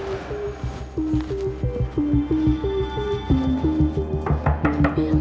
udah ada rakudang